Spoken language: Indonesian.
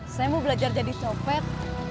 saya mau belajar jadi copet